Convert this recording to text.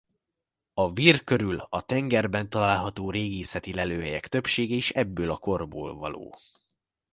A Vir körül a tengerben található régészeti lelőhelyek többsége is ebből a korból való.